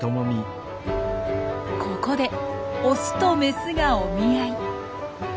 ここでオスとメスがお見合い。